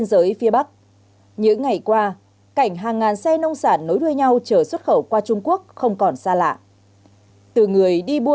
xin chào và hẹn gặp lại